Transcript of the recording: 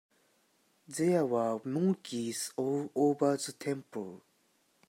There were monkeys all over the temple.